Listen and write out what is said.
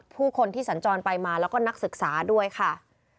ผู้คนที่สัญจรไปมาแล้วก็นักศึกษาด้วยค่ะ